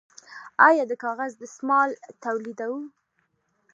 آیا د کاغذ دستمال تولیدوو؟